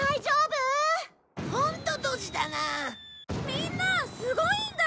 みんなすごいんだ！